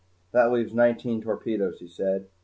"That leaves nineteen torpedoes," he said.